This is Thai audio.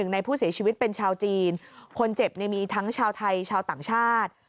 ในผู้เสียชีวิตเป็นชาวจีนคนเจ็บมีทั้งชาวไทยชาวต่างชาติ